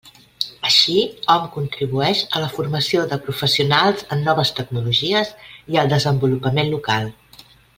Així, hom contribueix a la formació de professionals en noves tecnologies i al desenvolupament local.